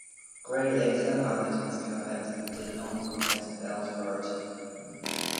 Gray later abandoned his caveat and did not contest Bell's priority.